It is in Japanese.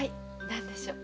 何でしょう？